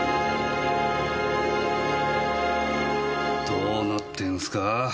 どうなってんすか！